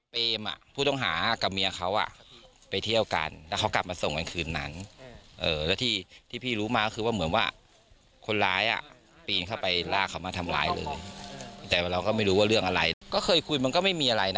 เขาเคยทะเลาะกันแต่ว่าเราก็ไม่รู้ว่าเขาถึงขั้นไหน